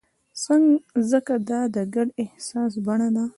ځکه دا د ګډ احساس بڼه ده.